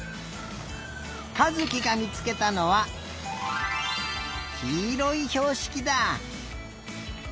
かずきがみつけたのはきいろいひょうしきだ。